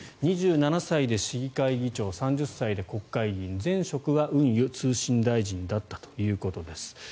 ２７歳で市議会議長３０歳で国会議員前職は運輸・通信大臣だったということです。